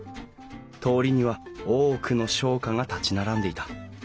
通りには多くの商家が立ち並んでいた。